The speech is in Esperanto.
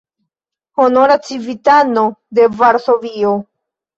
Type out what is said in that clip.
Honora civitano de Varsovio.